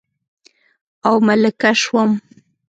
او ملکه شوم